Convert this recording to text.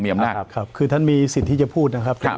เมียมหน้าครับครับคือท่านมีสิทธิ์ที่จะพูดนะครับครับ